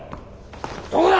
どこだ！